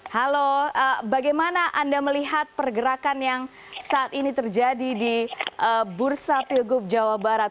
halo bagaimana anda melihat pergerakan yang saat ini terjadi di bursa pilgub jawa barat